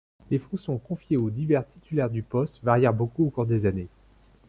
Les fonctions confiées aux divers titulaires du postes varièrent beaucoup au cours des années.